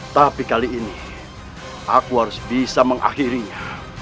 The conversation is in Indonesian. tapi kali ini aku harus bisa mengakhirinya